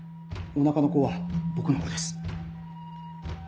お腹の子は僕の子です。